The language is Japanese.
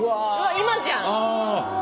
今じゃん！